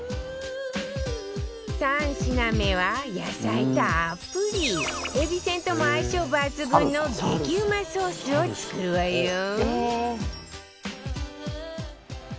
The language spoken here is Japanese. ３品目は野菜たっぷりえびせんとも相性抜群の激うまソースを作るわよ